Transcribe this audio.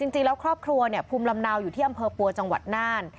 จริงแล้วครอบครัวภูมิลำเนาอยู่ที่อำเภอปัวจังหวัดน่าน